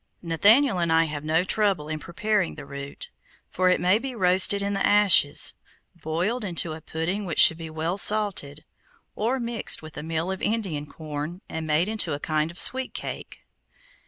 Nathaniel and I have no trouble in preparing the root, for it may be roasted in the ashes, boiled into a pudding which should be well salted, or mixed with the meal of Indian corn and made into a kind of sweet cake.